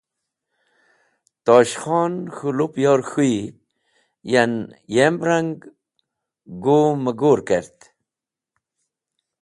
Tosh Khon k̃hũ lupyor k̃hũyi yan yem rang gu magur kert.